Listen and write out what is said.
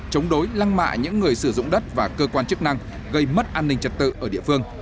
chống đối lăng mạ những người sử dụng đất và cơ quan chức năng gây mất an ninh trật tự ở địa phương